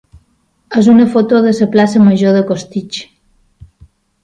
és una foto de la plaça major de Costitx.